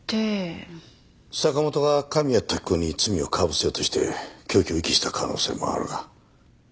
坂元が神谷時子に罪をかぶせようとして凶器を遺棄した可能性もあるが。